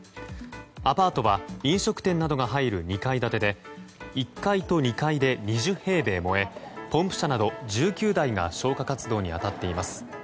アパートは飲食店などが入る２階建てで１階と２階で２０平米燃えポンプ車など１９台が消火活動に当たっています。